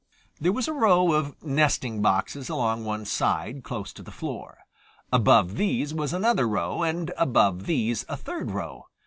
There was a row of nesting boxes along one side close to the floor. Above these was another row and above these a third row.